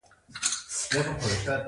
د توکو تولید په اړه خبرې کوو.